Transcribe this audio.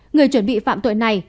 năm người chuẩn bị phạm tội này